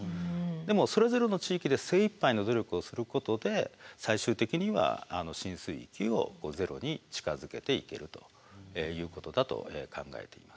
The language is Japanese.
でもそれぞれの地域で精いっぱいの努力をすることで最終的には浸水域をゼロに近づけていけるということだと考えています。